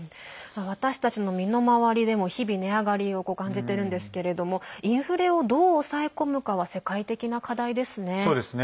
私たちの身の回りでも日々値上がりを感じているんですけれどもインフレをどう抑え込むかは世界的な課題ですね。